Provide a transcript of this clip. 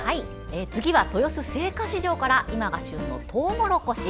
次は、豊洲青果市場から今が旬のトウモロコシ。